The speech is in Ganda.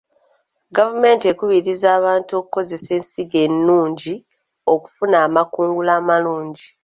Gavumenti ekubiriza abantu okukozesa ensigo ennungi okufuna amakungula amalungi.